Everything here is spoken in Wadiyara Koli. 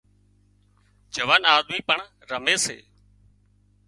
جوان آۮمِي پڻ رمي سي